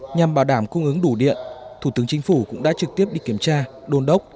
nhằm bảo đảm cung ứng đủ điện thủ tướng chính phủ cũng đã trực tiếp đi kiểm tra đôn đốc